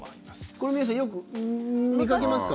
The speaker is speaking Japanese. これ皆さんよく見かけますか？